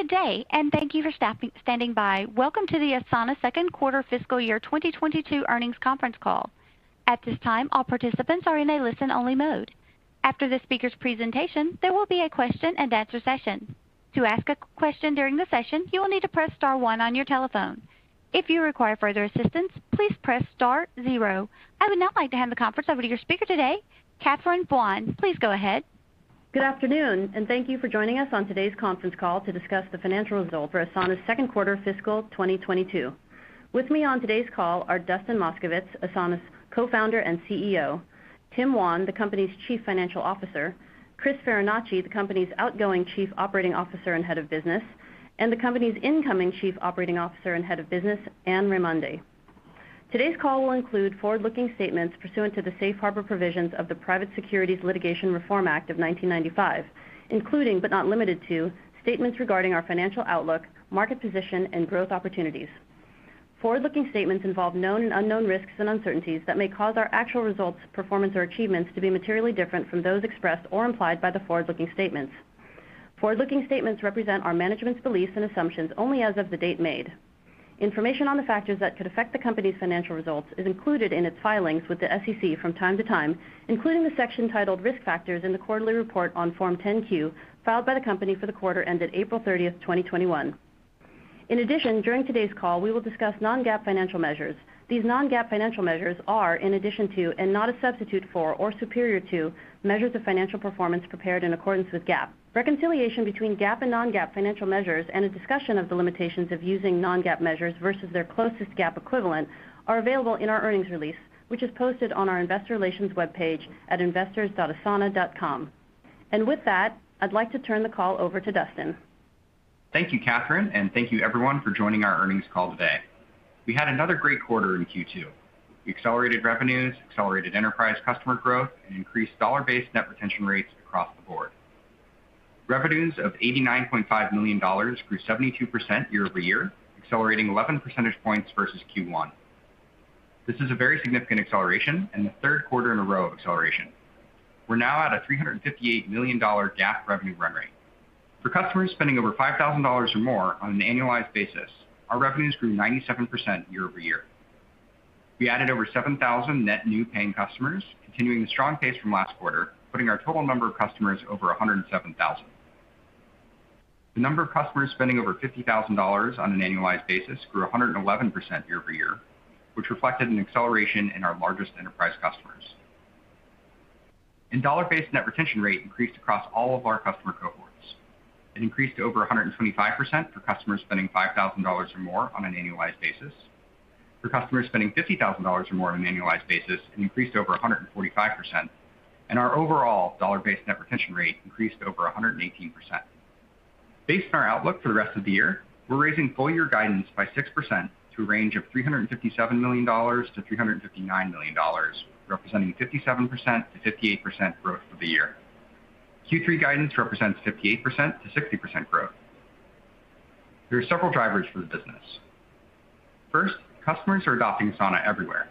Good day. Thank you for standing by. Welcome to the Asana second-quarter fiscal year 2022 earnings conference call. At this time, all participants are in a listen-only mode. After the speaker's presentation, there will be a question-and-answer session. To ask a question during the session, you will need to press star one on your telephone. If you require further assistance, please press star zero. I would now like to hand the conference over to your speaker today, Catherine Buan. Please go ahead. Good afternoon, thank you for joining us on today's conference call to discuss the financial results for Asana's second quarter fiscal 2022. With me on today's call are Dustin Moskovitz, Asana's Co-founder and CEO, Tim Wan, the company's Chief Financial Officer, Chris Farinacci, the company's outgoing Chief Operating Officer and Head of Business, and the company's incoming Chief Operating Officer and Head of Business, Anne Raimondi. Today's call will include forward-looking statements pursuant to the Safe Harbor Provisions of the Private Securities Litigation Reform Act of 1995, including, but not limited to, statements regarding our financial outlook, market position, and growth opportunities. Forward-looking statements involve known and unknown risks and uncertainties that may cause our actual results, performance, or achievements to be materially different from those expressed or implied by the forward-looking statements. Forward-looking statements represent our management's beliefs and assumptions only as of the date made. Information on the factors that could affect the company's financial results is included in its filings with the SEC from time to time, including the section titled Risk Factors in the quarterly report on Form 10-Q, filed by the company for the quarter ended April 30th, 2021. In addition, during today's call, we will discuss non-GAAP financial measures. These non-GAAP financial measures are, in addition to, and not a substitute for or superior to, measures of financial performance prepared in accordance with GAAP. Reconciliation between GAAP and non-GAAP financial measures and a discussion of the limitations of using non-GAAP measures versus their closest GAAP equivalent are available in our earnings release, which is posted on our investor relations webpage at investors.asana.com. With that, I'd like to turn the call over to Dustin. Thank you, Catherine, and thank you everyone for joining our earnings call today. We had another great quarter in Q2. We accelerated revenues, accelerated enterprise customer growth, and increased dollar-based net retention rates across the board. Revenues of $89.5 million grew 72% year-over-year, accelerating 11 percentage points versus Q1. This is a very significant acceleration and the third quarter in a row of acceleration. We're now at a $358 million GAAP revenue run rate. For customers spending over $5,000 or more on an annualized basis, our revenues grew 97% year-over-year. We added over 7,000 net new paying customers, continuing the strong pace from last quarter, putting our total number of customers over 107,000. The number of customers spending over $50,000 on an annualized basis grew 111% year-over-year, which reflected an acceleration in our largest enterprise customers. Dollar-based net retention rate increased across all of our customer cohorts. It increased to over 125% for customers spending $5,000 or more on an annualized basis. For customers spending $50,000 or more on an annualized basis, it increased to over 145%. Our overall dollar-based net retention rate increased to over 118%. Based on our outlook for the rest of the year, we're raising full-year guidance by 6% to a range of $357 million-$359 million, representing 57%-58% growth for the year. Q3 guidance represents 58%-60% growth. There are several drivers for the business. First, customers are adopting Asana everywhere.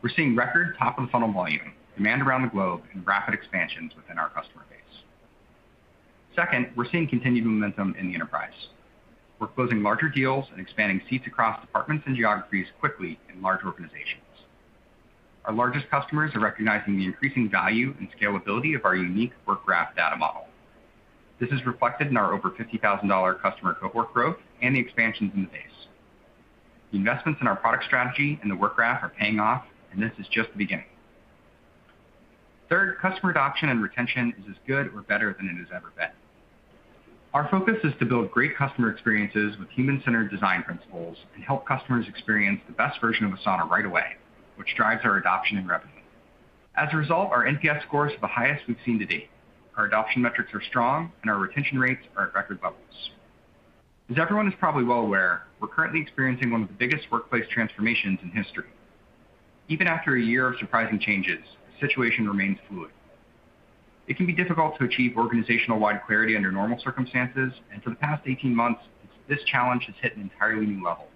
We're seeing record top-of-the-funnel volume, demand around the globe, and rapid expansions within our customer base. Second, we're seeing continued momentum in the enterprise. We're closing larger deals and expanding seats across departments and geographies quickly in large organizations. Our largest customers are recognizing the increasing value and scalability of our unique Work Graph data model. This is reflected in our over $50,000 customer cohort growth and the expansions in the base. The investments in our product strategy and the Work Graph are paying off, and this is just the beginning. Third, customer adoption and retention is as good or better than it has ever been. Our focus is to build great customer experiences with human-centered design principles and help customers experience the best version of Asana right away, which drives our adoption and revenue. As a result, our NPS scores are the highest we've seen to date. Our adoption metrics are strong, and our retention rates are at record levels. As everyone is probably well aware, we're currently experiencing one of the biggest workplace transformations in history. Even after a year of surprising changes, the situation remains fluid. It can be difficult to achieve organizational-wide clarity under normal circumstances, and for the past 18 months, this challenge has hit an entirely new level.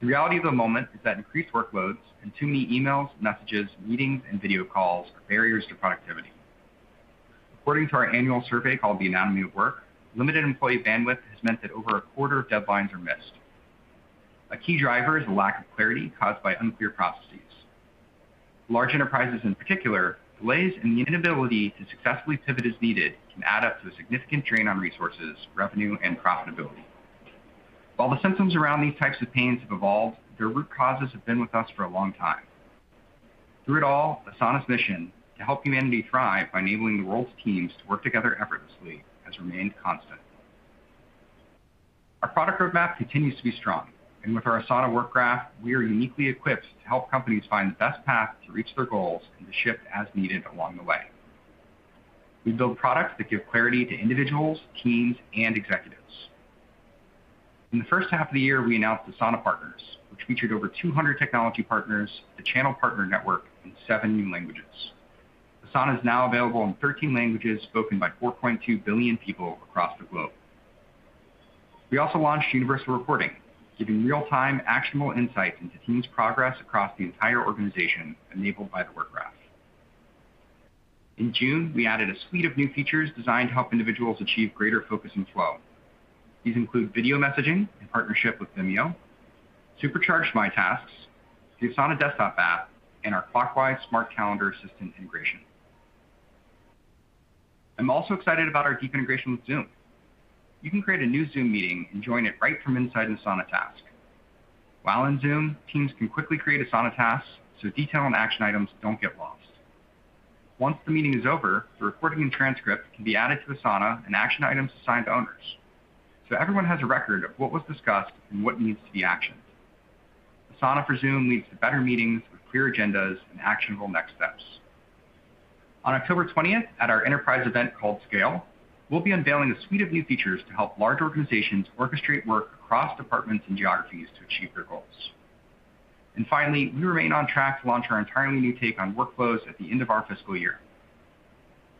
The reality of the moment is that increased workloads and too many emails, messages, meetings, and video calls are barriers to productivity. According to our annual survey called the Anatomy of Work, limited employee bandwidth has meant that over a quarter of deadlines are missed. A key driver is the lack of clarity caused by unclear processes. Large enterprises in particular, delays and the inability to successfully pivot as needed can add up to a significant drain on resources, revenue, and profitability. While the symptoms around these types of pains have evolved, their root causes have been with us for a long time. Through it all, Asana's mission to help humanity thrive by enabling the world's teams to work together effortlessly has remained constant. Our product roadmap continues to be strong. With our Asana Work Graph, we are uniquely equipped to help companies find the best path to reach their goals and to shift as needed along the way. We build products that give clarity to individuals, teams, and executives. In the first half of the year, we announced Asana Partners, which featured over 200 technology partners, the channel partner network, in seven new languages. Asana is now available in 13 languages spoken by 4.2 billion people across the globe. We also launched Universal Reporting, giving real-time actionable insights into teams' progress across the entire organization, enabled by the Work Graph. In June, we added a suite of new features designed to help individuals achieve greater focus and flow. These include video messaging in partnership with Vimeo, supercharged My Tasks, the Asana desktop app, and our Clockwise smart calendar assistant integration. I'm also excited about our deep integration with Zoom. You can create a new Zoom meeting and join it right from inside an Asana task. While in Zoom, teams can quickly create Asana tasks so detail and action items don't get lost. Once the meeting is over, the recording and transcript can be added to Asana and action items assigned to owners, so everyone has a record of what was discussed and what needs to be actioned. Asana for Zoom leads to better meetings with clear agendas and actionable next steps. On October 20th, at our enterprise event called Scale, we'll be unveiling a suite of new features to help large organizations orchestrate work across departments and geographies to achieve their goals. Finally, we remain on track to launch our entirely new take on workflows at the end of our fiscal year.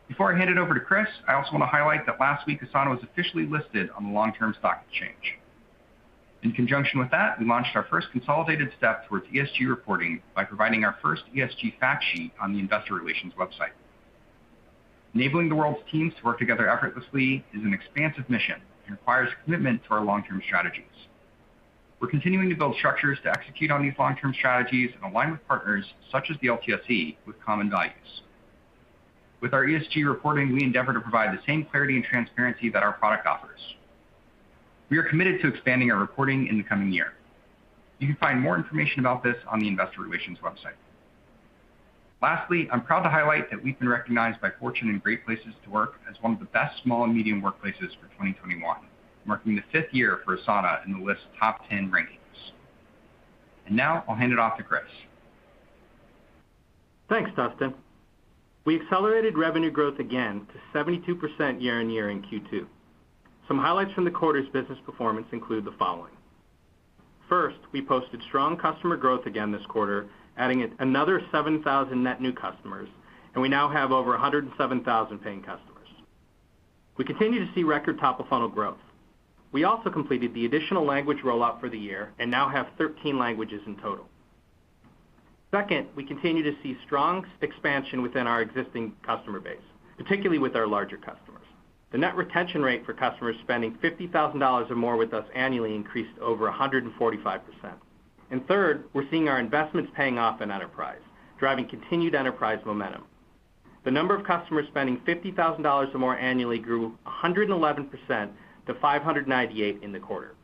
Before I hand it over to Chris, I also want to highlight that last week, Asana was officially listed on the Long-Term Stock Exchange. In conjunction with that, we launched our first consolidated step towards ESG reporting by providing our first ESG fact sheet on the investor relations website. Enabling the world's teams to work together effortlessly is an expansive mission. It requires commitment to our long-term strategies. We're continuing to build structures to execute on these long-term strategies and align with partners, such as the LTSE, with common values. With our ESG reporting, we endeavor to provide the same clarity and transparency that our product offers. We are committed to expanding our reporting in the coming year. You can find more information about this on the investor relations website. Lastly, I'm proud to highlight that we've been recognized by Fortune and Great Place to Work as one of the best small and medium workplaces for 2021, marking the fifth year for Asana in the list of top 10 rankings. Now I'll hand it off to Chris. Thanks, Dustin. We accelerated revenue growth again to 72% year-on-year in Q2. Some highlights from the quarter's business performance include the following. First, we posted strong customer growth again this quarter, adding another 7,000 net new customers, and we now have over 107,000 paying customers. We continue to see record top-of-funnel growth. We also completed the additional language rollout for the year and now have 13 languages in total. Second, we continue to see strong expansion within our existing customer base, particularly with our larger customers. The net retention rate for customers spending $50,000 or more with us annually increased over 145%. Third, we're seeing our investments paying off in enterprise, driving continued enterprise momentum. The number of customers spending $50,000 or more annually grew 111% to 598 in the quarter.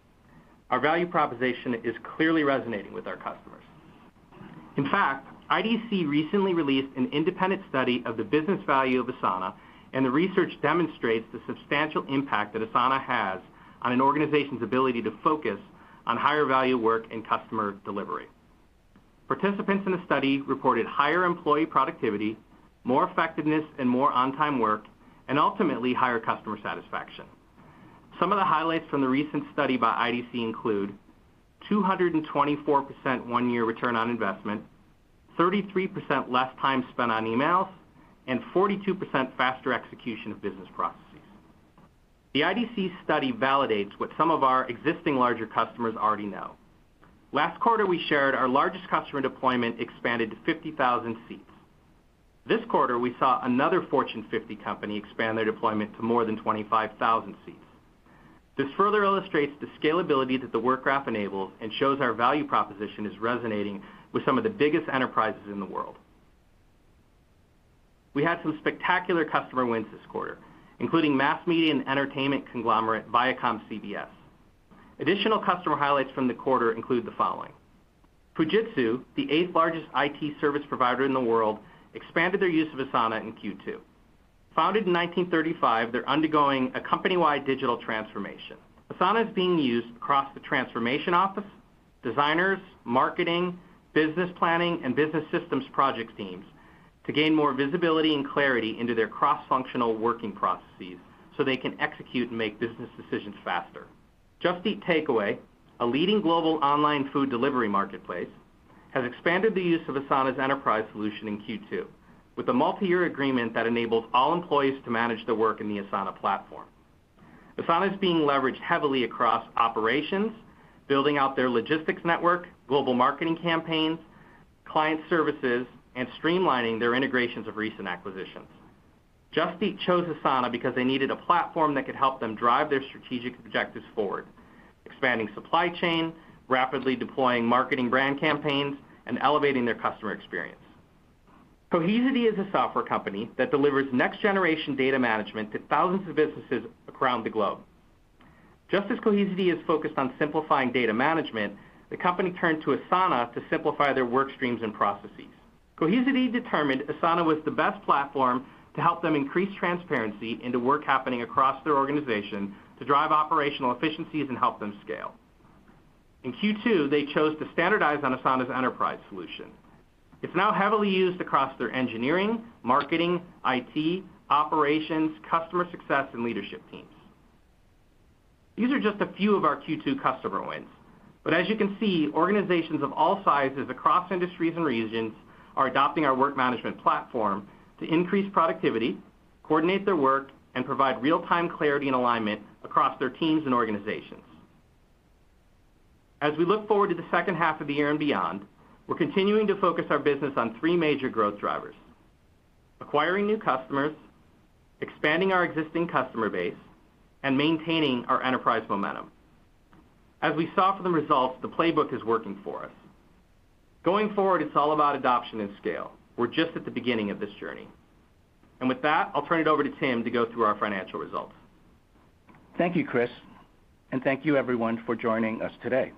Our value proposition is clearly resonating with our customers. In fact, IDC recently released an independent study of the business value of Asana, the research demonstrates the substantial impact that Asana has on an organization's ability to focus on higher-value work and customer delivery. Participants in the study reported higher employee productivity, more effectiveness, and more on-time work, and ultimately, higher customer satisfaction. Some of the highlights from the recent study by IDC include 224% one-year ROI, 33% less time spent on emails, and 42% faster execution of business processes. The IDC study validates what some of our existing larger customers already know. Last quarter, we shared our largest customer deployment expanded to 50,000 seats. This quarter, we saw another Fortune 50 company expand their deployment to more than 25,000 seats. This further illustrates the scalability that the Work Graph enables and shows our value proposition is resonating with some of the biggest enterprises in the world. We had some spectacular customer wins this quarter, including mass media and entertainment conglomerate ViacomCBS. Additional customer highlights from the quarter include the following. Fujitsu, the eighth-largest IT service provider in the world, expanded their use of Asana in Q2. Founded in 1935, they're undergoing a company-wide digital transformation. Asana is being used across the transformation office, designers, marketing, business planning, and business systems project teams to gain more visibility and clarity into their cross-functional working processes so they can execute and make business decisions faster. Just Eat Takeaway, a leading global online food delivery marketplace, has expanded the use of Asana's enterprise solution in Q2 with a multi-year agreement that enables all employees to manage their work in the Asana platform. Asana is being leveraged heavily across operations, building out their logistics network, global marketing campaigns, client services, and streamlining their integrations of recent acquisitions. Just Eat chose Asana because they needed a platform that could help them drive their strategic objectives forward, expanding supply chain, rapidly deploying marketing brand campaigns, and elevating their customer experience. Cohesity is a software company that delivers next-generation data management to thousands of businesses around the globe. Just as Cohesity is focused on simplifying data management, the company turned to Asana to simplify their work streams and processes. Cohesity determined Asana was the best platform to help them increase transparency into work happening across their organization to drive operational efficiencies and help them scale. In Q2, they chose to standardize on Asana's enterprise solution. It's now heavily used across their engineering, marketing, IT, operations, customer success, and leadership teams. These are just a few of our Q2 customer wins. As you can see, organizations of all sizes across industries and regions are adopting our work management platform to increase productivity, coordinate their work, and provide real-time clarity and alignment across their teams and organizations. As we look forward to the second half of the year and beyond, we're continuing to focus our business on three major growth drivers. Acquiring new customers, expanding our existing customer base, and maintaining our enterprise momentum. As we saw from the results, the playbook is working for us. Going forward, it's all about adoption and scale. We're just at the beginning of this journey. With that, I'll turn it over to Tim to go through our financial results. Thank you, Chris. Thank you, everyone, for joining us today.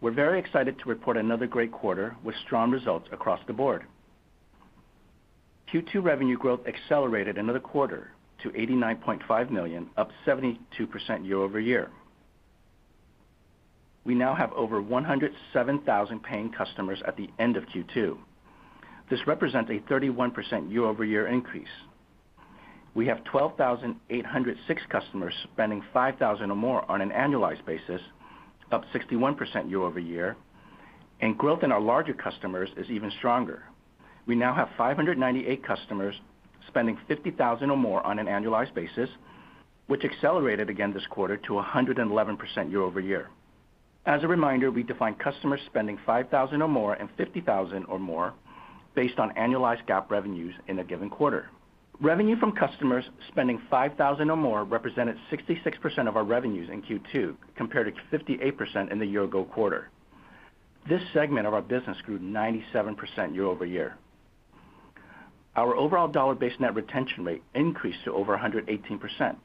We're very excited to report another great quarter with strong results across the board. Q2 revenue growth accelerated another quarter to $89.5 million, up 72% year-over-year. We now have over 107,000 paying customers at the end of Q2. This represents a 31% year-over-year increase. We have 12,806 customers spending $5,000 or more on an annualized basis, up 61% year-over-year. Growth in our larger customers is even stronger. We now have 598 customers spending $50,000 or more on an annualized basis, which accelerated again this quarter to 111% year-over-year. As a reminder, we define customers spending $5,000 or more and $50,000 or more based on annualized GAAP revenues in a given quarter. Revenue from customers spending 5,000 or more represented 66% of our revenues in Q2, compared to 58% in the year ago quarter. This segment of our business grew 97% year-over-year. Our overall dollar-based net retention rate increased to over 118%.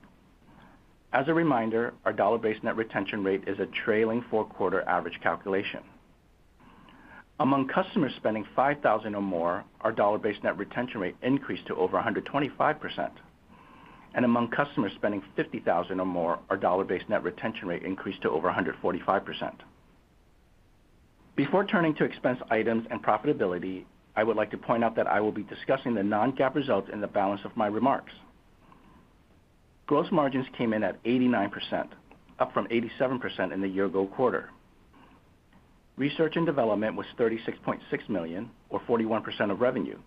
As a reminder, our dollar-based net retention rate is a trailing four-quarter average calculation. Among customers spending 5,000 or more, our dollar-based net retention rate increased to over 125%. Among customers spending 50,000 or more, our dollar-based net retention rate increased to over 145%. Before turning to expense items and profitability, I would like to point out that I will be discussing the non-GAAP results in the balance of my remarks. Gross margins came in at 89%, up from 87% in the year ago quarter. Research and development was $36.6 million or 41% of revenue.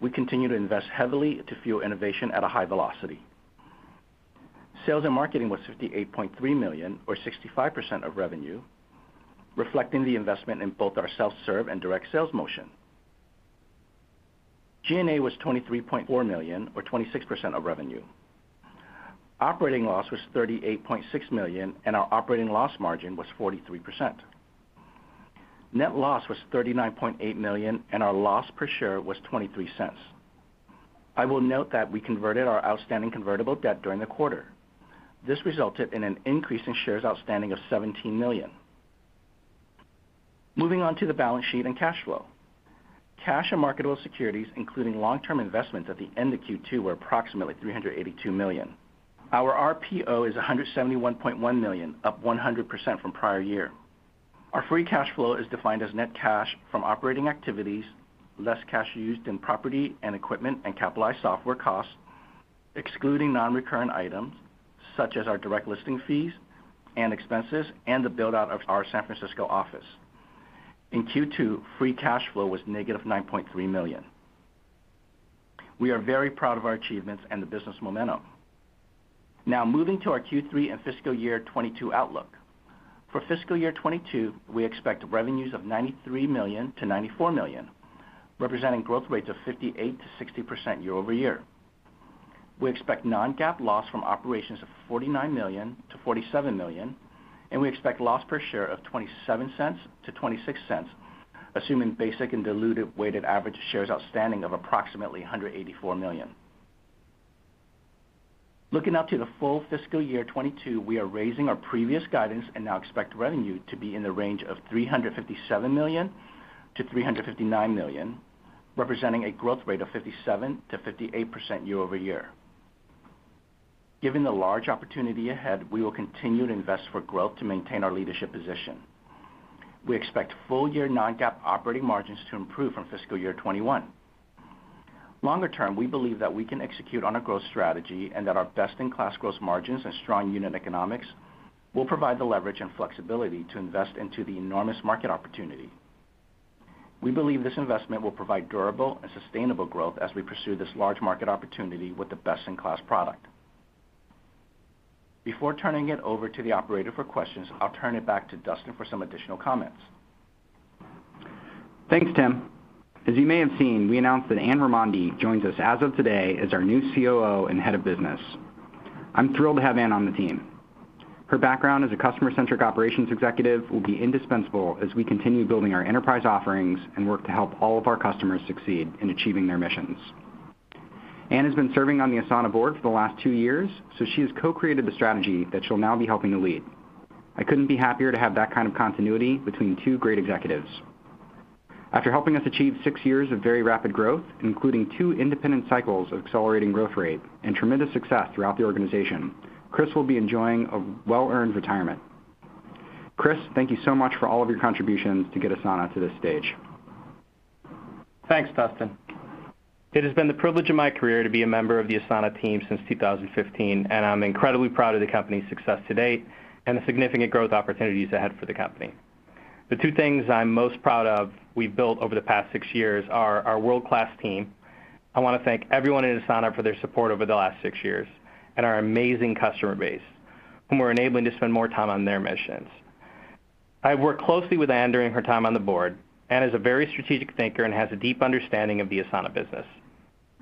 We continue to invest heavily to fuel innovation at a high velocity. Sales and marketing was $58.3 million or 65% of revenue, reflecting the investment in both our self-serve and direct sales motion. G&A was $23.4 million or 26% of revenue. Operating loss was $38.6 million, our operating loss margin was 43%. Net loss was $39.8 million, our loss per share was $0.23. I will note that we converted our outstanding convertible debt during the quarter. This resulted in an increase in shares outstanding of 17 million. Moving on to the balance sheet and cash flow. Cash and marketable securities, including long-term investments at the end of Q2, were approximately $382 million. Our RPO is $171.1 million, up 100% from prior year. Our free cash flow is defined as net cash from operating activities, less cash used in property and equipment and capitalized software costs, excluding non-recurrent items such as our direct listing fees and expenses, and the build-out of our San Francisco office. In Q2, free cash flow was -$9.3 million. We are very proud of our achievements and the business momentum. Moving to our Q3 and fiscal year 2022 outlook. For fiscal year 2022, we expect revenues of $93 million-$94 million, representing growth rates of 58%-60% year-over-year. We expect non-GAAP loss from operations of $49 million-$47 million, and we expect loss per share of $0.27-$0.26, assuming basic and diluted weighted average shares outstanding of approximately 184 million. Looking out to the full fiscal year 2022, we are raising our previous guidance and now expect revenue to be in the range of $357 million-$359 million, representing a growth rate of 57%-58% year-over-year. Given the large opportunity ahead, we will continue to invest for growth to maintain our leadership position. We expect full-year non-GAAP operating margins to improve from fiscal year 2021. Longer term, we believe that we can execute on a growth strategy and that our best-in-class growth margins and strong unit economics will provide the leverage and flexibility to invest into the enormous market opportunity. We believe this investment will provide durable and sustainable growth as we pursue this large market opportunity with a best-in-class product. Before turning it over to the operator for questions, I'll turn it back to Dustin for some additional comments. Thanks, Tim. As you may have seen, we announced that Anne Raimondi joins us as of today as our new COO and Head of Business. I'm thrilled to have Anne on the team. Her background as a customer-centric operations executive will be indispensable as we continue building our enterprise offerings and work to help all of our customers succeed in achieving their missions. Anne has been serving on the Asana board for the last two years, so she has co-created the strategy that she'll now be helping to lead. I couldn't be happier to have that kind of continuity between two great executives. After helping us achieve six years of very rapid growth, including two independent cycles of accelerating growth rate and tremendous success throughout the organization, Chris will be enjoying a well-earned retirement. Chris, thank you so much for all of your contributions to get Asana to this stage. Thanks, Dustin. It has been the privilege of my career to be a member of the Asana team since 2015, and I'm incredibly proud of the company's success to date and the significant growth opportunities ahead for the company. The two things I'm most proud of we've built over the past six years are our world-class team. I want to thank everyone at Asana for their support over the last six years, and our amazing customer base, whom we're enabling to spend more time on their missions. I've worked closely with Anne during her time on the board. Anne is a very strategic thinker and has a deep understanding of the Asana business.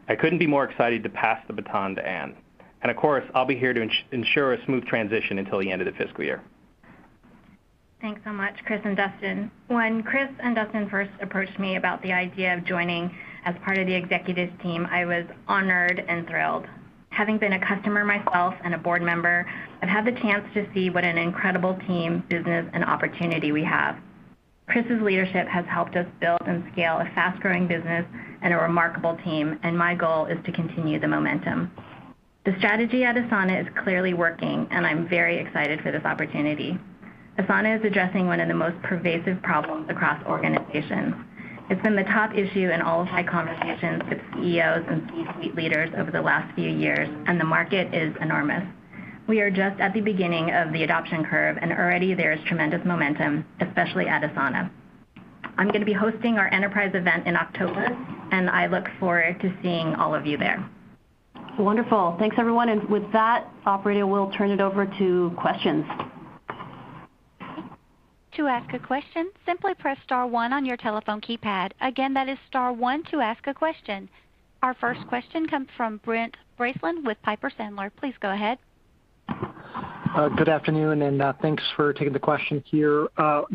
I couldn't be more excited to pass the baton to Anne. Of course, I'll be here to ensure a smooth transition until the end of the fiscal year. Thanks so much, Chris and Dustin. When Chris and Dustin first approached me about the idea of joining as part of the executives team, I was honored and thrilled. Having been a customer myself and a board member, I've had the chance to see what an incredible team, business, and opportunity we have. Chris's leadership has helped us build and scale a fast-growing business and a remarkable team, and my goal is to continue the momentum. The strategy at Asana is clearly working, and I'm very excited for this opportunity. Asana is addressing one of the most pervasive problems across organizations. It's been the top issue in all of my conversations with CEOs and C-suite leaders over the last few years, and the market is enormous. We are just at the beginning of the adoption curve, and already there is tremendous momentum, especially at Asana. I'm going to be hosting our enterprise event in October, and I look forward to seeing all of you there. Wonderful. Thanks, everyone. With that, operator, we'll turn it over to questions. To ask a question, simply press star one on your telephone keypad. Again, that is star one to ask a question. Our first question comes from Brent Bracelin with Piper Sandler. Please go ahead. Good afternoon, thanks for taking the question here.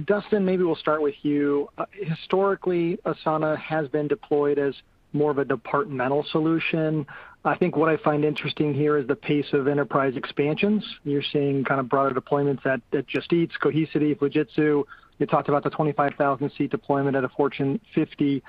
Dustin, maybe we'll start with you. Historically, Asana has been deployed as more of a departmental solution. I think what I find interesting here is the pace of enterprise expansions. You're seeing kind of broader deployments at Just Eat, Cohesity, Fujitsu. You talked about the 25,000-seat deployment at a Fortune 50.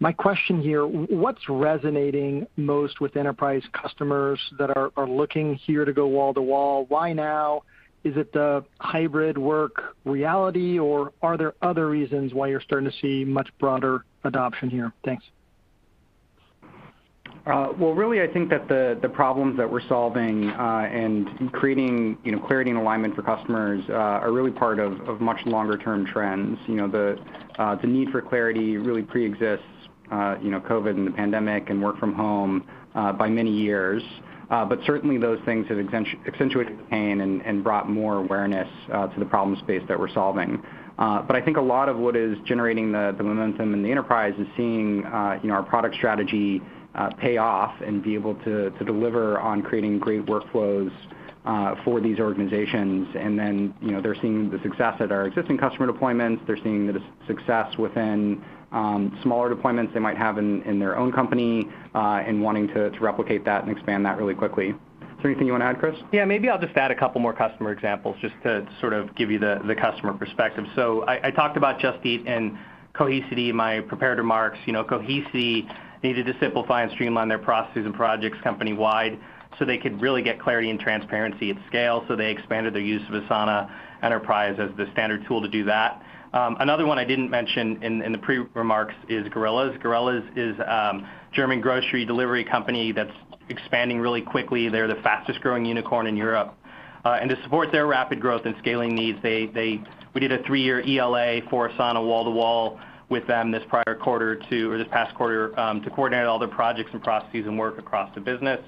My question here, what's resonating most with enterprise customers that are looking here to go wall to wall? Why now? Is it the hybrid work reality, or are there other reasons why you're starting to see much broader adoption here? Thanks. Really, I think that the problems that we're solving, and creating clarity and alignment for customers, are really part of much longer-term trends. The need for clarity really pre-exists COVID and the pandemic and work from home by many years. Certainly, those things have accentuated the pain and brought more awareness to the problem space that we're solving. I think a lot of what is generating the momentum in the enterprise is seeing our product strategy pay off and be able to deliver on creating great workflows for these organizations. They're seeing the success at our existing customer deployments. They're seeing the success within smaller deployments they might have in their own company, and wanting to replicate that and expand that really quickly. Is there anything you want to add, Chris? Yeah, maybe I'll just add a couple more customer examples just to sort of give you the customer perspective. I talked about Just Eat and Cohesity in my prepared remarks. Cohesity needed to simplify and streamline their processes and projects company-wide so they could really get clarity and transparency at scale. They expanded their use of Asana Enterprise as the standard tool to do that. Another one I didn't mention in the pre-remarks is Gorillas. Gorillas is a German grocery delivery company that's expanding really quickly. They're the fastest-growing unicorn in Europe. To support their rapid growth and scaling needs, we did a three-year ELA for Asana wall to wall with them this past quarter to coordinate all their projects and processes and work across the business.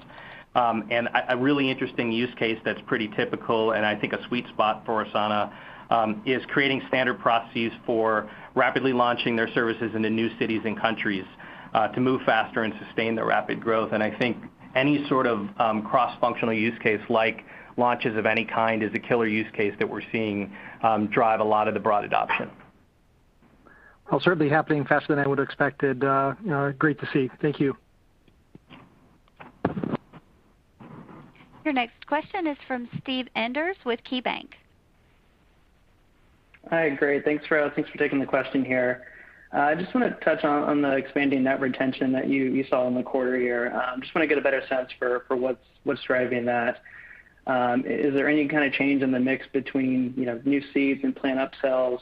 A really interesting use case that's pretty typical, and I think a sweet spot for Asana, is creating standard processes for rapidly launching their services into new cities and countries to move faster and sustain their rapid growth. I think any sort of cross-functional use case like launches of any kind is a killer use case that we're seeing drive a lot of the broad adoption. Well, certainly happening faster than I would've expected. Great to see. Thank you. Your next question is from Steve Enders with KeyBanc. Hi. Great. Thanks for taking the question here. I just want to touch on the expanding net retention that you saw in the quarter here. Just want to get a better sense for what's driving that. Is there any kind of change in the mix between new seats and plan upsells?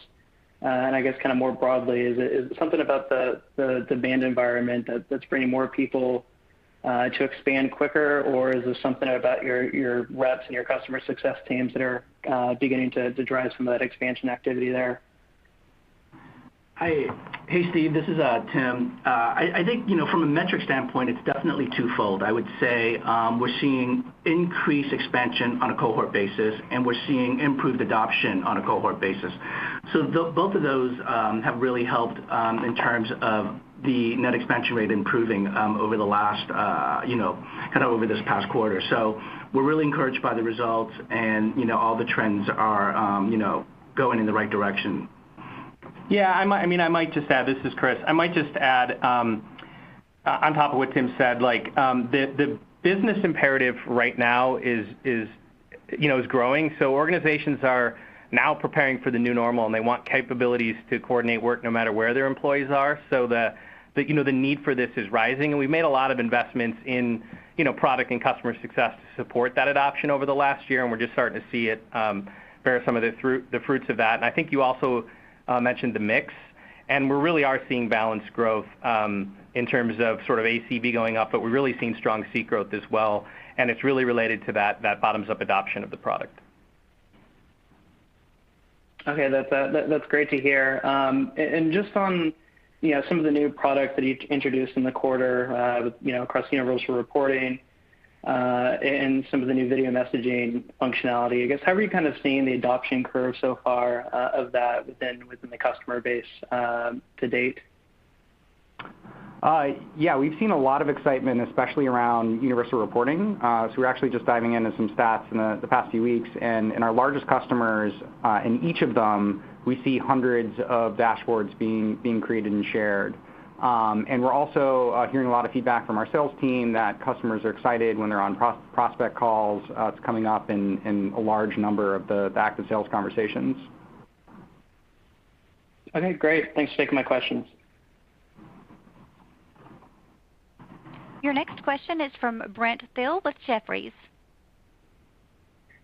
I guess kind of more broadly, is it something about the demand environment that's bringing more people to expand quicker, or is this something about your reps and your customer success teams that are beginning to drive some of that expansion activity there? Hey, Steve. This is Tim. I think from a metric standpoint, it's definitely twofold. I would say we're seeing increased expansion on a cohort basis, and we're seeing improved adoption on a cohort basis. Both of those have really helped in terms of the net expansion rate improving kind of over this past quarter. We're really encouraged by the results, and all the trends are going in the right direction. Yeah. This is Chris. I might just add on top of what Tim said, the business imperative right now is growing. Organizations are now preparing for the new normal, and they want capabilities to coordinate work no matter where their employees are. The need for this is rising, and we've made a lot of investments in product and customer success to support that adoption over the last year, and we're just starting to see it bear some of the fruits of that. I think you also mentioned the mix. We really are seeing balanced growth, in terms of ACV going up, but we're really seeing strong seat growth as well, and it's really related to that bottoms-up adoption of the product. Okay. That's great to hear. Just on some of the new products that you've introduced in the quarter, across Universal Reporting, and some of the new video messaging functionality, I guess, how are you seeing the adoption curve so far of that within the customer base to date? Yeah. We've seen a lot of excitement, especially around Universal Reporting. We're actually just diving into some stats in the past few weeks, and in our largest customers, in each of them, we see hundreds of dashboards being created and shared. We're also hearing a lot of feedback from our sales team that customers are excited when they're on prospect calls. It's coming up in a large number of the active sales conversations. Okay, great. Thanks for taking my questions. Your next question is from Brent Thill with Jefferies.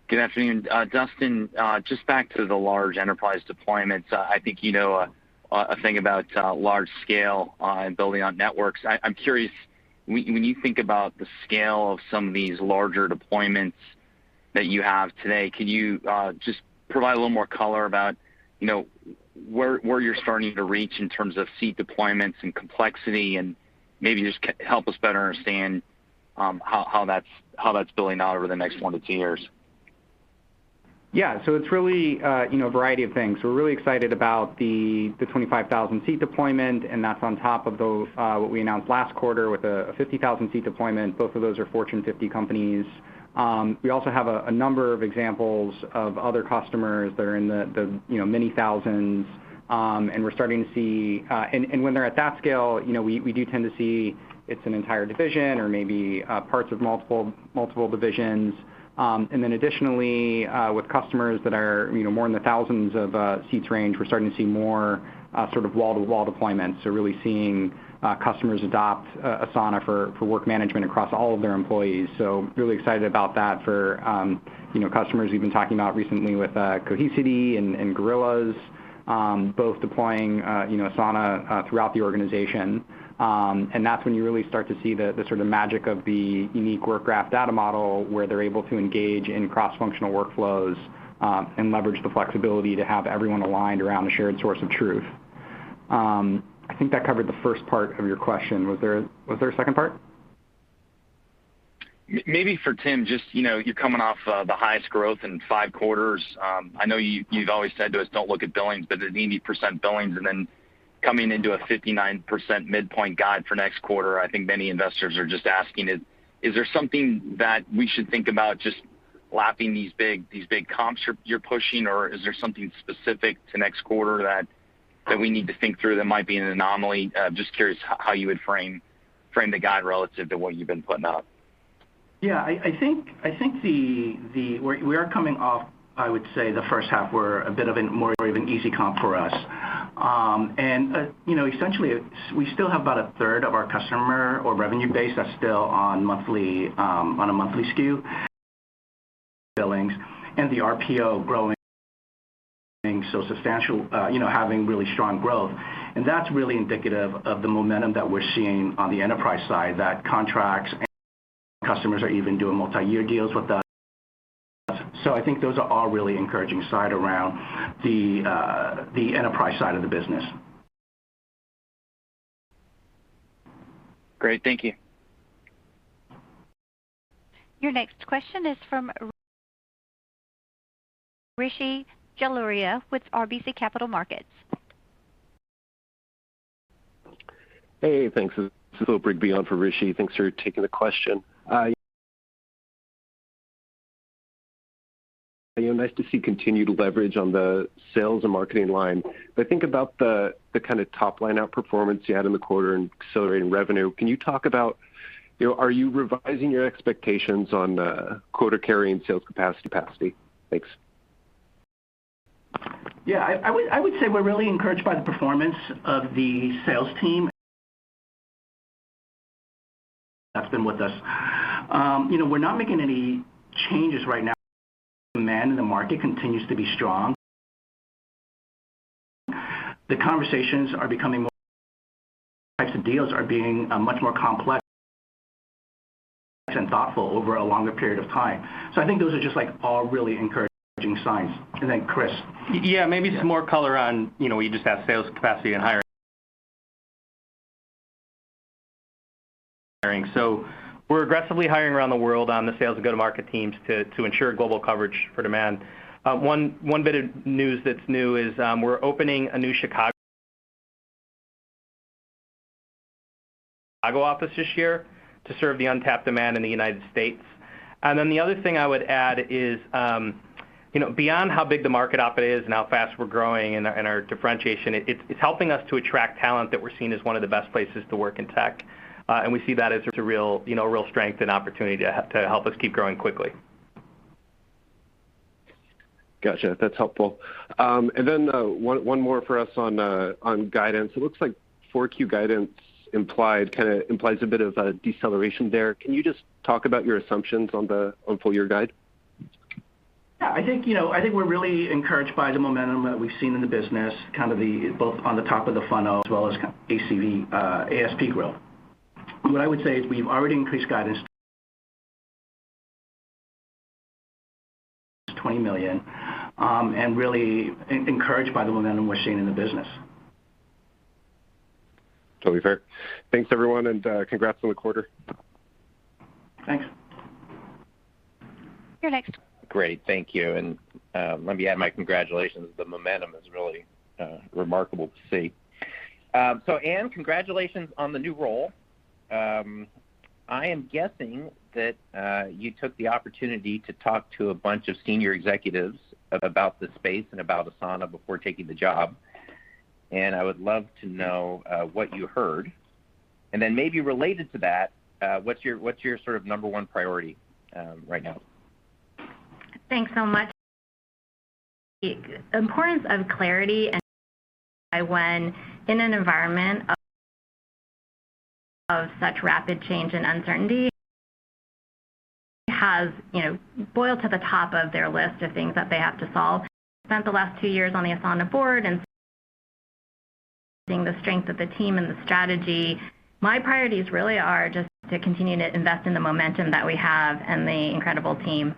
Good afternoon. Dustin, just back to the large enterprise deployments. I think you know a thing about large-scale and building on networks. I'm curious, when you think about the scale of some of these larger deployments that you have today, can you just provide a little more color about where you're starting to reach in terms of seat deployments and complexity, and maybe just help us better understand how that's building out over the next one to two years? Yeah. It's really a variety of things. We're really excited about the 25,000-seat deployment, and that's on top of what we announced last quarter with a 50,000-seat deployment. Both of those are Fortune 50 companies. We also have a number of examples of other customers that are in the many thousands. When they're at that scale, we do tend to see it's an entire division or maybe parts of multiple divisions. Additionally, with customers that are more in the thousands of seats range, we're starting to see more sort of wall-to-wall deployments. Really seeing customers adopt Asana for work management across all of their employees. Really excited about that for customers we've been talking about recently with Cohesity and Gorillas, both deploying Asana throughout the organization. That's when you really start to see the sort of magic of the unique Work Graph data model, where they're able to engage in cross-functional workflows, and leverage the flexibility to have everyone aligned around a shared source of truth. I think that covered the first part of your question. Was there a second part? Maybe for Tim, just you're coming off the highest growth in five quarters. I know you've always said to us, "Don't look at billings," but at 80% billings and then coming into a 59% midpoint guide for next quarter, I think many investors are just asking, is there something that we should think about just lapping these big comps you're pushing, or is there something specific to next quarter that we need to think through that might be an anomaly? Just curious how you would frame the guide relative to what you've been putting up? Yeah, I think we are coming off, I would say, the first half were a bit of a more of an easy comp for us. Essentially, we still have about a third of our customer or revenue base that's still on a monthly SKU. Billings and the RPO growing, so substantial, having really strong growth. That's really indicative of the momentum that we're seeing on the enterprise side, that contracts, customers are even doing multi-year deals with us. I think those are all really encouraging side around the enterprise side of the business. Great. Thank you. Your next question is from Rishi Jaluria with RBC Capital Markets. Hey, thanks. This is Phil Rigby for Rishi. Thanks for taking the question. Nice to see continued leverage on the sales and marketing line. Think about the kind of top-line outperformance you had in the quarter and accelerating revenue. Can you talk about, are you revising your expectations on quota-carrying sales capacity? Thanks. Yeah, I would say we're really encouraged by the performance of the sales team. That's been with us. We're not making any changes right now. Demand in the market continues to be strong. Types of deals are being much more complex and thoughtful over a longer period of time. I think those are just all really encouraging signs. Chris. Yeah, maybe some more color on, we just have sales capacity and hiring. We're aggressively hiring around the world on the sales and go-to-market teams to ensure global coverage for demand. One bit of news that's new is, we're opening a new Chicago office this year to serve the untapped demand in the United States. The other thing I would add is, beyond how big the market opportunity is and how fast we're growing and our differentiation, it's helping us to attract talent that we're seen as one of the best places to work in tech. We see that as a real strength and opportunity to help us keep growing quickly. Gotcha. That's helpful. One more for us on guidance. It looks like 4Q guidance kind of implies a bit of a deceleration there. Can you just talk about your assumptions on full-year guide? Yeah, I think we're really encouraged by the momentum that we've seen in the business, both on the top of the funnel as well as ACV ASP growth. What I would say is we've already increased guidance to $20 million, and really encouraged by the momentum we're seeing in the business. Totally fair. Thanks, everyone, and congrats on the quarter. Thanks. Your next- Great. Thank you. Let me add my congratulations. The momentum is really remarkable to see. Anne, congratulations on the new role. I am guessing that you took the opportunity to talk to a bunch of senior executives about the space and about Asana before taking the job, and I would love to know what you heard. Then maybe related to that, what's your sort of number one priority right now? Thanks so much. The importance of clarity and when in an environment of such rapid change and uncertainty has boiled to the top of their list of things that they have to solve. I spent the last two years on the Asana board and seeing the strength of the team and the strategy. My priorities really are just to continue to invest in the momentum that we have and the incredible team.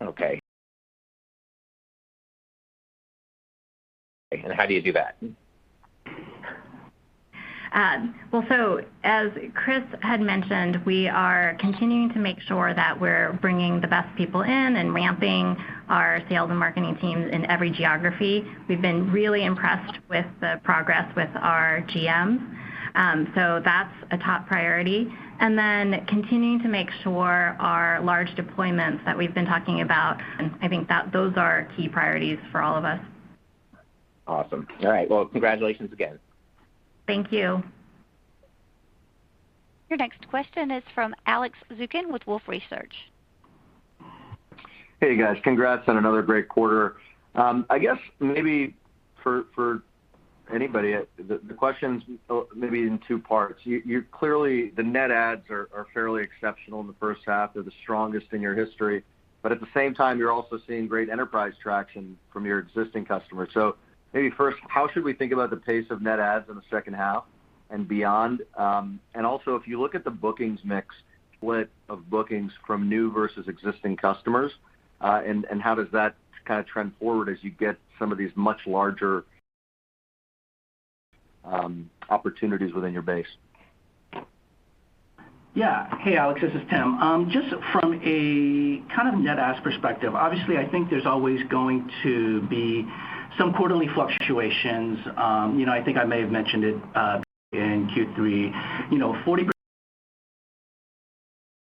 Okay. How do you do that? As Chris had mentioned, we are continuing to make sure that we're bringing the best people in and ramping our sales and marketing teams in every geography. We've been really impressed with the progress with our GMs. That's a top priority. Continuing to make sure our large deployments that we've been talking about, and I think those are key priorities for all of us. Awesome. All right. Well, congratulations again. Thank you. Your next question is from Alex Zukin with Wolfe Research. Hey, guys. Congrats on another great quarter. I guess, maybe for anybody, the question's maybe in two parts. Clearly, the net adds are fairly exceptional in the first half. They're the strongest in your history, but at the same time, you're also seeing great enterprise traction from your existing customers. Maybe first, how should we think about the pace of net adds in the second half and beyond? Also, if you look at the bookings mix, split of bookings from new versus existing customers, and how does that kind of trend forward as you get some of these much larger opportunities within your base? Hey, Alex, this is Tim. From a net adds perspective, obviously, I think there's always going to be some quarterly fluctuations. I think I may have mentioned it in Q3. 40%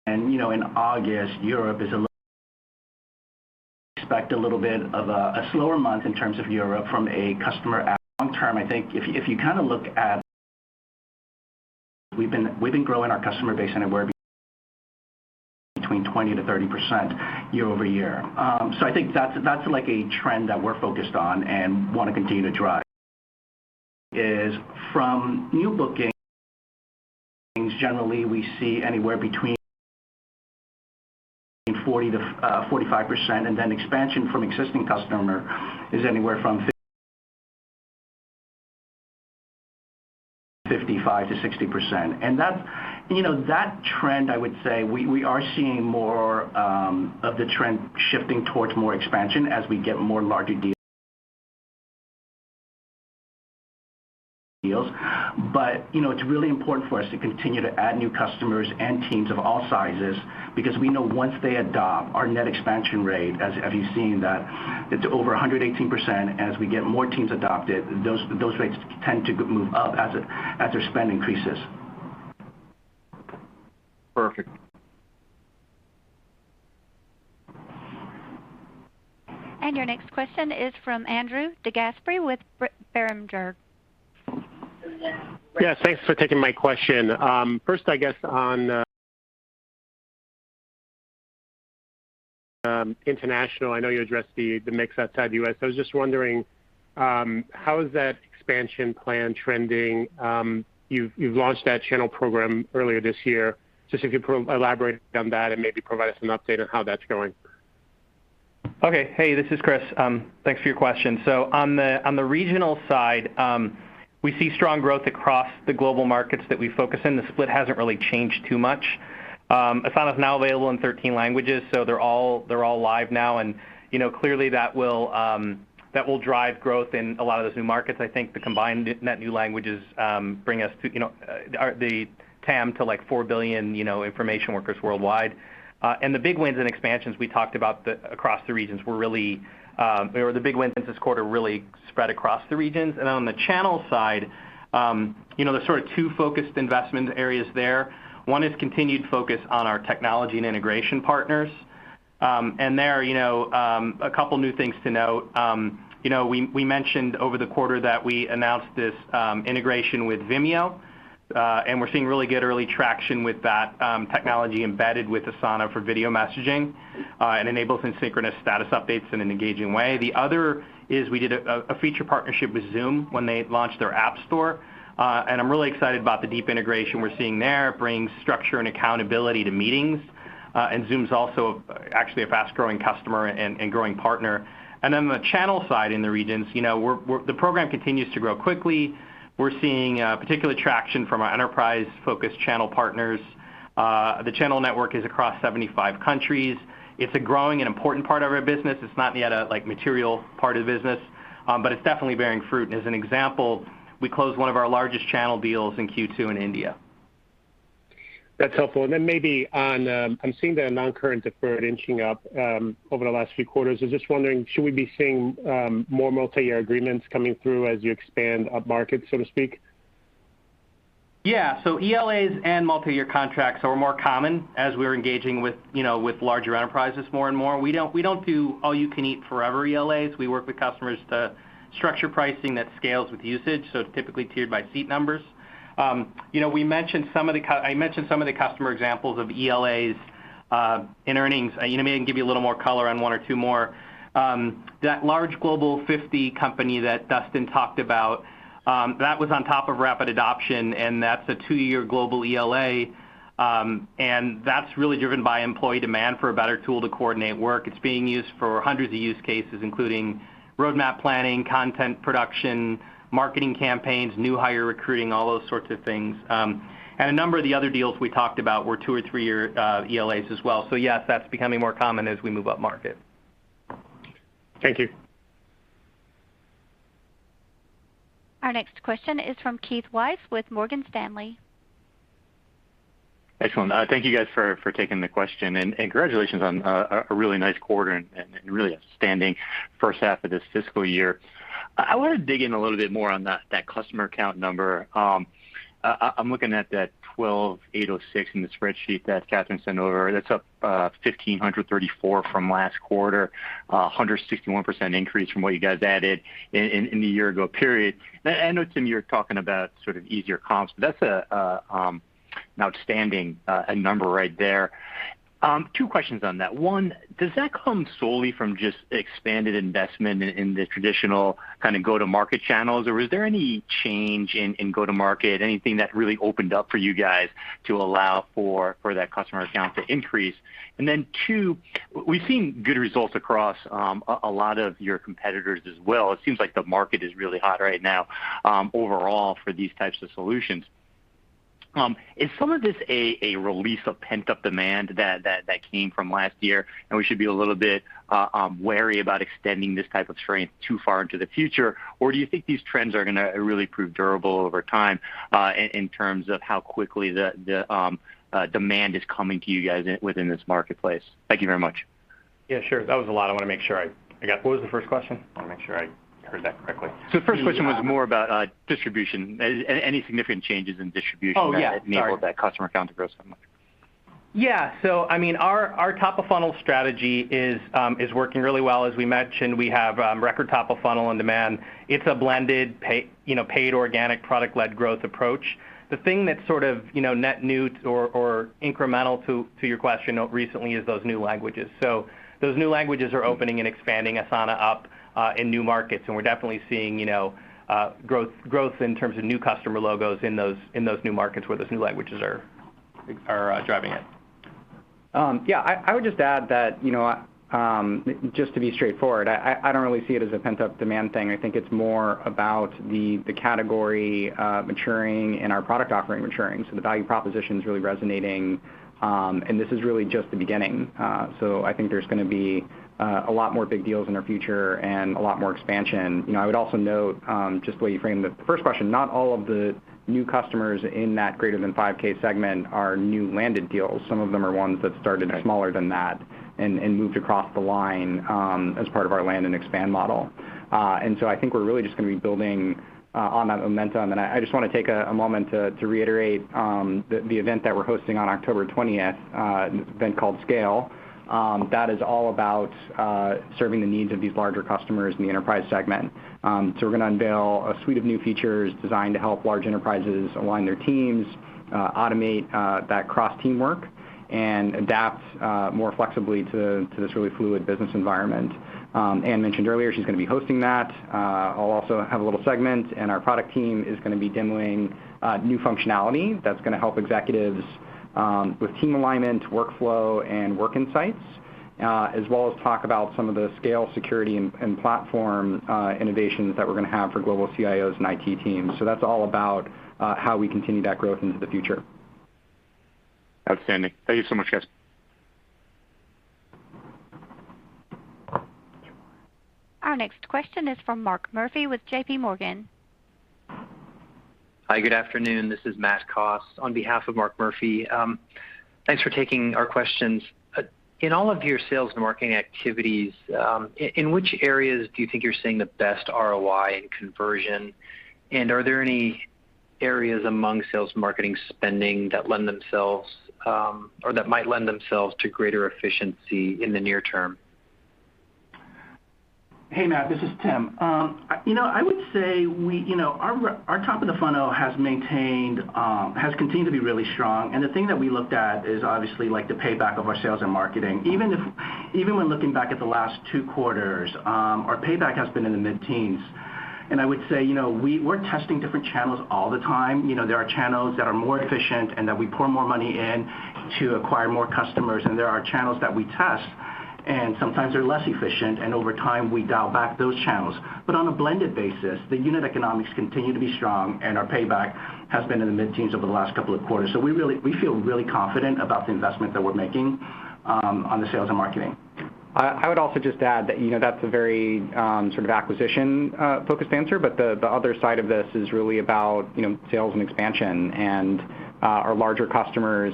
in August. Expect a little bit of a slower month in terms of Europe from a customer add. Long term, I think if you look at, we've been growing our customer base anywhere between 20%-30% year-over-year. I think that's like a trend that we're focused on and want to continue to drive, is from new bookings, generally, we see anywhere between 40%-45%, expansion from existing customer is anywhere from 55%-60%. That trend, I would say, we are seeing more of the trend shifting towards more expansion as we get more larger deals. It's really important for us to continue to add new customers and teams of all sizes, because we know once they adopt our net expansion rate, as you've seen, that it's over 118%. As we get more teams adopted, those rates tend to move up as their spend increases. Perfect. Your next question is from Andrew DeGasperi with Berenberg. Thanks for taking my question. I guess on international, I know you addressed the mix outside the U.S. I was just wondering, how is that expansion plan trending? You've launched that channel program earlier this year. If you could elaborate on that and maybe provide us an update on how that's going. Hey, this is Chris. Thanks for your question. On the regional side, we see strong growth across the global markets that we focus in. The split hasn't really changed too much. Asana's now available in 13 languages, they're all live now. Clearly, that will drive growth in a lot of those new markets. I think the combined net new languages bring us the TAM to like 4 billion information workers worldwide. The big wins in this quarter really spread across the regions. On the channel side, there's sort of two focused investment areas there. One is continued focus on our technology and integration partners. There, a couple new things to note. We mentioned over the quarter that we announced this integration with Vimeo. We're seeing really good early traction with that technology embedded with Asana for video messaging, and enables asynchronous status updates in an engaging way. The other is we did a feature partnership with Zoom when they launched their app store. I'm really excited about the deep integration we're seeing there. It brings structure and accountability to meetings. Zoom's also actually a fast-growing customer and growing partner. On the channel side in the regions, the program continues to grow quickly. We're seeing particular traction from our enterprise-focused channel partners. The channel network is across 75 countries. It's a growing and important part of our business. It's not yet a material part of the business, but it's definitely bearing fruit. As an example, we closed one of our largest channel deals in Q2 in India. That's helpful. Maybe on, I'm seeing the non-current deferred inching up over the last few quarters. I was just wondering, should we be seeing more multi-year agreements coming through as you expand upmarket, so to speak? ELAs and multi-year contracts are more common as we're engaging with larger enterprises more and more. We don't do all-you-can-eat forever ELAs. We work with customers to structure pricing that scales with usage, so it's typically tiered by seat numbers. I mentioned some of the customer examples of ELAs in earnings. I may even give you a little more color on one or two more. That large Global 50 company that Dustin talked about, that was on top of rapid adoption, and that's a two-year global ELA. That's really driven by employee demand for a better tool to coordinate work. It's being used for hundreds of use cases, including roadmap planning, content production, marketing campaigns, new hire recruiting, all those sorts of things. A number of the other deals we talked about were two or three-year ELAs as well. Yes, that's becoming more common as we move up market. Thank you. Our next question is from Keith Weiss with Morgan Stanley. Excellent. Thank you guys for taking the question. Congratulations on a really nice quarter and really outstanding first half of this fiscal year. I want to dig in a little bit more on that customer count number. I'm looking at that 12,806 in the spreadsheet that Catherine sent over. That's up 1,534 from last quarter, 161% increase from what you guys added in the year-ago period. I know, Tim, you're talking about sort of easier comps. That's an outstanding number right there. Two questions on that. One, does that come solely from just expanded investment in the traditional kind of go-to-market channels, or was there any change in go-to-market, anything that really opened up for you guys to allow for that customer count to increase? Two, we've seen good results across a lot of your competitors as well. It seems like the market is really hot right now overall for these types of solutions. Is some of this a release of pent-up demand that came from last year, and we should be a little bit wary about extending this type of strength too far into the future? Do you think these trends are going to really prove durable over time in terms of how quickly the demand is coming to you guys within this marketplace? Thank you very much. Yeah, sure. That was a lot. I want to make sure I got. What was the first question? I want to make sure I heard that correctly. The first question was more about distribution. Any significant changes in distribution- Oh, yeah. Sorry -that enabled that customer count to grow so much. Yeah. Our top-of-funnel strategy is working really well. As we mentioned, we have record top-of-funnel on demand. It's a blended, paid organic product-led growth approach. The thing that's sort of net new or incremental to your question recently is those new languages. Those new languages are opening and expanding Asana up in new markets, and we're definitely seeing growth in terms of new customer logos in those new markets where those new languages are driving it. Yeah, I would just add that, just to be straightforward, I don't really see it as a pent-up demand thing. I think it's more about the category maturing and our product offering maturing. The value proposition's really resonating, and this is really just the beginning. I think there's going to be a lot more big deals in our future and a lot more expansion. I would also note, just the way you framed the first question, not all of the new customers in that greater than 5K segment are new landed deals. Some of them are ones that started smaller than that and moved across the line as part of our land and expand model. I think we're really just going to be building on that momentum. I just want to take a moment to reiterate the event that we're hosting on October 20th, an event called Scale. That is all about serving the needs of these larger customers in the enterprise segment. We're going to unveil a suite of new features designed to help large enterprises align their teams, automate that cross-teamwork, and adapt more flexibly to this really fluid business environment. Anne mentioned earlier she's going to be hosting that. I'll also have a little segment, and our product team is going to be demoing new functionality that's going to help executives with team alignment, workflow, and work insights, as well as talk about some of the scale, security, and platform innovations that we're going to have for global CIOs and IT teams. That's all about how we continue that growth into the future. Outstanding. Thank you so much, guys. Our next question is from Mark Murphy with JPMorgan. Hi, good afternoon. This is Matt Coss on behalf of Mark Murphy. Thanks for taking our questions. In all of your sales and marketing activities, in which areas do you think you're seeing the best ROI in conversion? Are there any areas among sales marketing spending that lend themselves, or that might lend themselves to greater efficiency in the near term? Hey, Matt. This is Tim. I would say our top of the funnel has continued to be really strong, and the thing that we looked at is obviously the payback of our sales and marketing. Even when looking back at the last two quarters, our payback has been in the mid-teens. I would say, we're testing different channels all the time. There are channels that are more efficient and that we pour more money in to acquire more customers, and there are channels that we test, and sometimes they're less efficient, and over time, we dial back those channels. On a blended basis, the unit economics continue to be strong, and our payback has been in the mid-teens over the last couple of quarters. We feel really confident about the investment that we're making on the sales and marketing. I would also just add that's a very acquisition-focused answer. The other side of this is really about sales and expansion. Our larger customers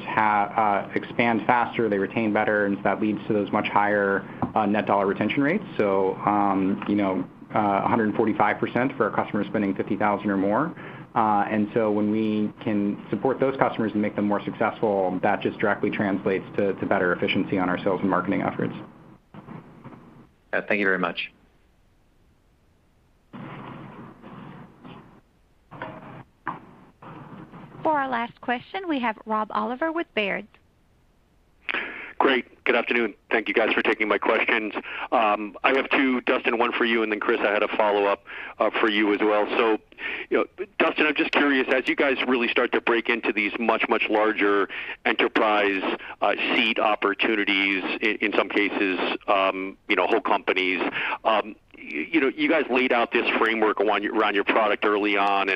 expand faster, they retain better. That leads to those much higher net dollar retention rates. 145% for our customers spending $50,000 or more. When we can support those customers and make them more successful, that just directly translates to better efficiency on our sales and marketing efforts. Thank you very much. For our last question, we have Rob Oliver with Baird. Great. Good afternoon. Thank you guys for taking my questions. I have two, Dustin, one for you, and then Chris, I had a follow-up for you as well. Dustin, I'm just curious, as you guys really start to break into these much, much larger enterprise seat opportunities, in some cases, whole companies. You guys laid out this framework around your product early on,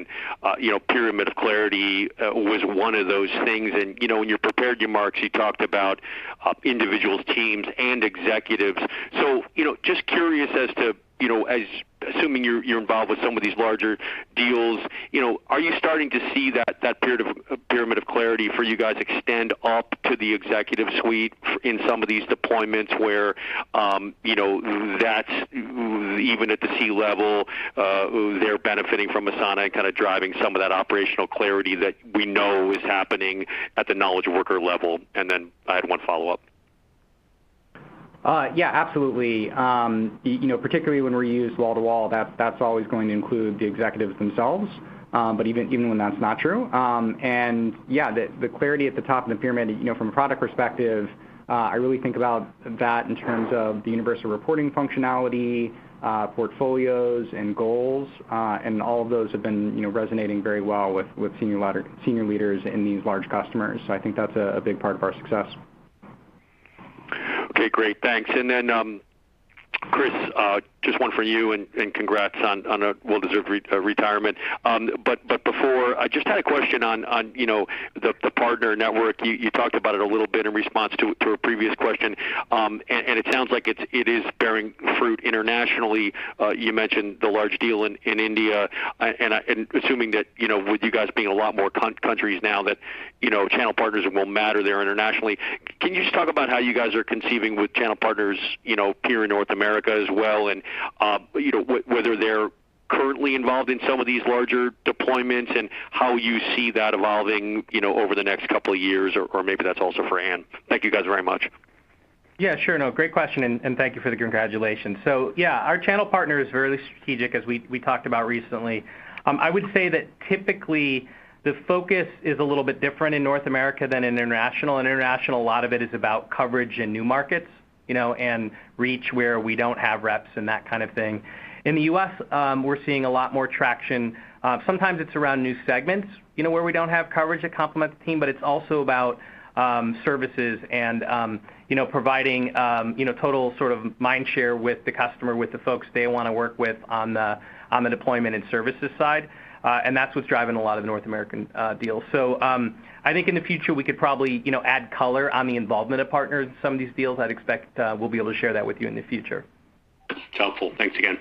Pyramid of Clarity was one of those things. In your prepared remarks, you talked about individuals, teams, and executives. Just curious as to, assuming you're involved with some of these larger deals, are you starting to see that Pyramid of Clarity for you guys extend up to the executive suite in some of these deployments where, that's even at the C-level, they're benefiting from Asana and kind of driving some of that operational clarity that we know is happening at the knowledge worker level? I had one follow-up. Yeah, absolutely. Particularly when we're used wall-to-wall, that's always going to include the executives themselves. Even when that's not true. Yeah, the clarity at the top of the Pyramid of Clarity, from a product perspective, I really think about that in terms of the Universal Reporting functionality, portfolios, and goals. All of those have been resonating very well with senior leaders in these large customers. I think that's a big part of our success. Okay, great. Thanks. Chris, just one for you, and congrats on a well-deserved retirement. Before, I just had a question on the partner network. You talked about it a little bit in response to a previous question. It sounds like it is bearing fruit internationally. You mentioned the large deal in India. Assuming that with you guys being in a lot more countries now that channel partners will matter there internationally. Can you just talk about how you guys are conceiving with channel partners here in North America as well, and whether they're currently involved in some of these larger deployments and how you see that evolving over the next couple of years, or maybe that's also for Anne? Thank you guys very much. Yeah, sure. No, great question, and thank you for the congratulations. Yeah, our channel partner is very strategic, as we talked about recently. I would say that typically, the focus is a little bit different in North America than international. In international, a lot of it is about coverage in new markets, and reach where we don't have reps and that kind of thing. In the U.S., we're seeing a lot more traction. Sometimes it's around new segments, where we don't have coverage that complements the team, but it's also about services and providing total sort of mind share with the customer, with the folks they want to work with on the deployment and services side. That's what's driving a lot of the North American deals. I think in the future, we could probably add color on the involvement of partners in some of these deals. I'd expect we'll be able to share that with you in the future. That's helpful. Thanks again.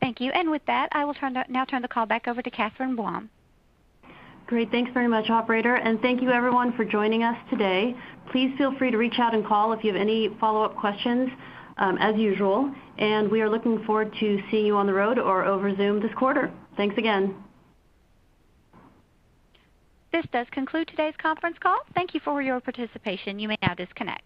Thank you. With that, I will now turn the call back over to Catherine Buan. Great. Thanks very much, operator. Thank you everyone for joining us today. Please feel free to reach out and call if you have any follow-up questions, as usual, and we are looking forward to seeing you on the road or over Zoom this quarter. Thanks again. This does conclude today's conference call. Thank you for your participation. You may now disconnect.